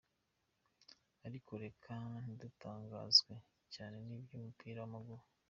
Ariko reka ntidutangazwe cane n'ivy'umupira w'amaguru.